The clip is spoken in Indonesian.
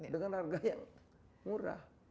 dengan harga yang murah